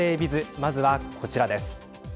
まずはこちらです。